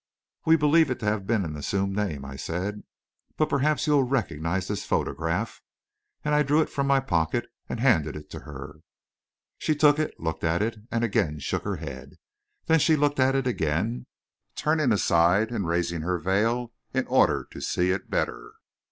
"We believe it to have been an assumed name," I said; "but perhaps you will recognise this photograph," and I drew it from my pocket and handed it to her. She took it, looked at it, and again shook her head. Then she looked at it again, turning aside and raising her veil in order to see it better.